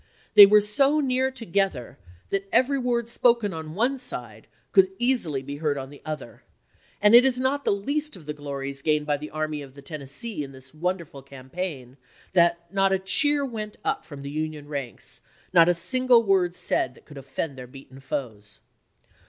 They were so near together that every word spoken on one side could easily be heard on the other, and it is not the least of the glories gained by the Army of the Tennessee in this wonderful campaign that not a cheer went up from the Union ranks, not a single word that could offend their beaten foes.